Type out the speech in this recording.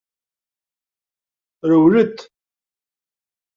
Rewlet!